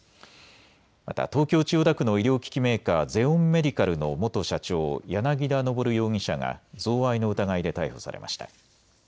また東京千代田区の医療機器メーカー、ゼオンメディカルの元社長、柳田昇容疑者が贈賄の疑いで逮捕されました。